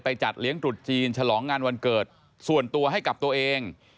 จัดเลี้ยงตรุษจีนฉลองงานวันเกิดส่วนตัวให้กับตัวเอง